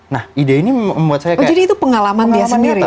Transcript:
nah ide ini membuat saya kayak oh jadi itu pengalaman dia sendiri ya